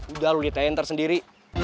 udah lu di tenter sendiri